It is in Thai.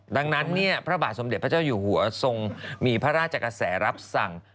ดังนั้นพระบาทสมเด็จพระเจ้าอยู่หัวทรงมีพระราชกระแสรับสั่ง